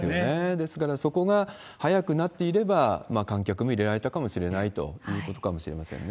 ですから、そこが早くなっていれば、観客も入れられたかもしれないということかもしれませんね。